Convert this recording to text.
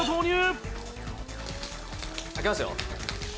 「開けますよ」